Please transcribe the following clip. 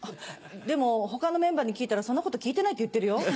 でも他のメンバーに聞いたらそんなこと聞いてないって言ってるよ。